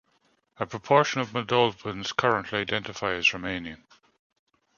A proportion of Moldovans currently identify as Romanian.